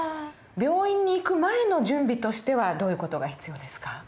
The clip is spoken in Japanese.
病院に行く前の準備としてはどういう事が必要ですか？